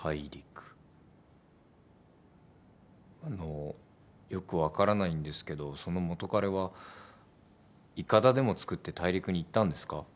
あのよく分からないんですけどその元カレはいかだでも作って大陸に行ったんですか？